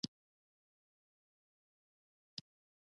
له بده مرغه زموږ هیواد هم له دې جملې څخه حسابېږي.